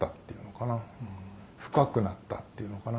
「深くなったっていうのかな。